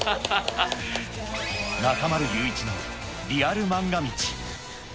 中丸雄一のリアルまんが道。